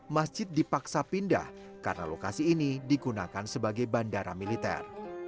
masjid dipaksa pindah karena lokasi ini digunakan sebagai bandara militer